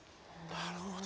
なるほど。